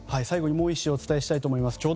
最後にもう１紙お伝えしたいと思います。